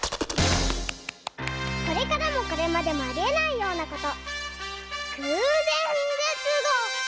これからもこれまでもありえないようなこと。